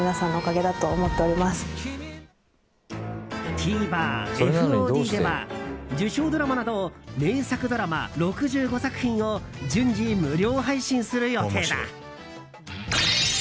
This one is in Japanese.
ＴＶｅｒ、ＦＯＤでは受賞ドラマなど名作ドラマ６５作品を順次無料配信する予定だ。